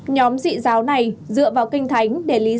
nhóm dị giáo này dựa vào kinh thánh để lý giải